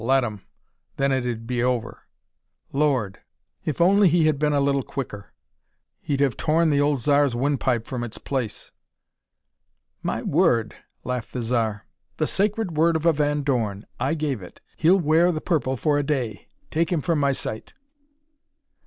Let 'em! Then it'd be over. Lord! If only he had been a little quicker. He'd have torn the old Zar's windpipe from its place! "My word," laughed the Zar. "The sacred word of a Van Dorn. I gave it. He'll wear the purple for a day. Take him from my sight!"